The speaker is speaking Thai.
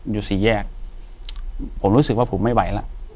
อยู่ที่แม่ศรีวิรัยิลครับ